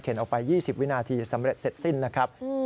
ออกไป๒๐วินาทีสำเร็จเสร็จสิ้นนะครับ